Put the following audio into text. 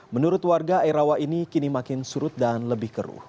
menurut warga air rawa ini kini makin surut dan lebih keruh